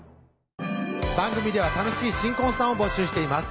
番組では楽しい新婚さんを募集しています